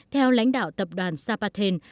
theo lãnh đạo tập đoàn zapaten